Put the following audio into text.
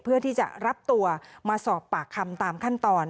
เพื่อที่จะรับตัวมาสอบปากคำตามขั้นตอน